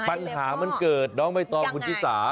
ปัญหามันเกิดน้องไม่ตอนคุณฟิศา